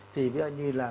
thì ví dụ như là